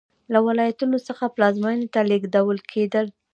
له ولایتونو څخه پلازمېنې ته لېږدول کېدل.